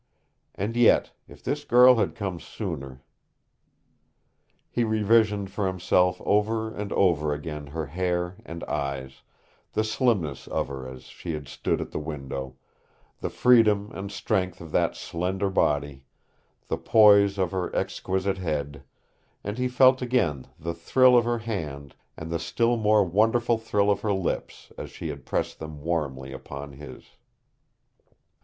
And yet, if this girl had come sooner He revisioned for himself over and over again her hair and eyes, the slimness of her as she had stood at the window, the freedom and strength of that slender body, the poise of her exquisite head, and he felt again the thrill of her hand and the still more wonderful thrill of her lips as she had pressed them warmly upon his.